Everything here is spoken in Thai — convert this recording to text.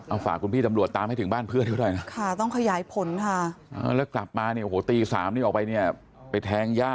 เอาฝากคุณพี่ตำรวจตามให้ถึงบ้านเพื่อนก็ได้นะ